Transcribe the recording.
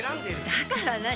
だから何？